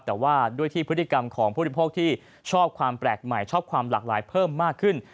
แต่ว่าด้วยที่พฤติกรรมของผู้บริโภคที่ชอบความแปลกใหม่ชอบความหลากหลายเพิ่มมากขึ้น